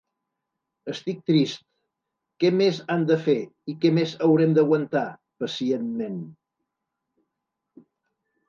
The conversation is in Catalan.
Estic trist… què més han de fer, i què més haurem d’aguantar “pacientment”?